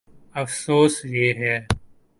افسوس، یہ ہے۔